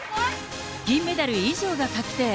銀メダル以上が確定。